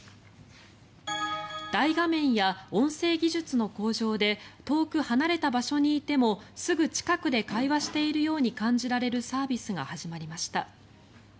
大画面や音声技術の向上で遠く離れた場所にいてもすぐ近くで会話しているように感じられるサービスが始まりました。